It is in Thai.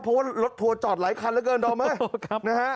เพราะว่ารถทัวร์จอดหลายคันเหลือเกินดอมเฮ้ยนะฮะ